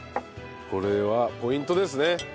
これはポイントですね。